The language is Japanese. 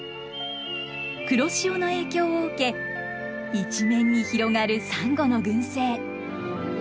黒潮の影響を受け一面に広がるサンゴの群生。